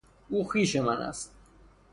او خویش من است